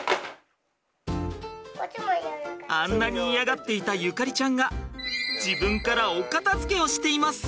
あんなに嫌がっていた縁ちゃんが自分からお片づけをしています。